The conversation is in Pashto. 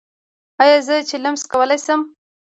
ایا زه چلم څکولی شم؟